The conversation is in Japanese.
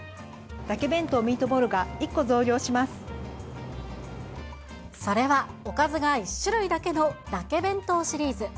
だけ弁当ミートボールが１個それは、おかずが１種類だけの、だけ弁当シリーズ。